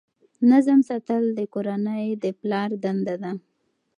نظم ساتل د کورنۍ د پلار دنده ده.